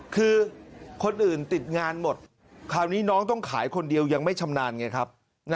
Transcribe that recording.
คือคนอื่นติดงานหมดคราวนี้น้องต้องขายคนเดียวยังไม่ชำนาญไงครับ